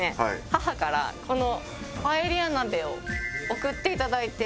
母からこのパエリア鍋を送っていただいて。